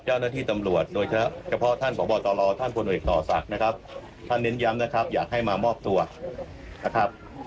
เจ้าหน้าที่ตำรวจโดยเฉพาะท่านพบตรท่านพลเอกต่อศักดิ์นะครับท่านเน้นย้ำนะครับอยากให้มามอบตัวนะครับ